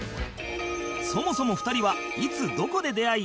そもそも２人はいつどこで出会い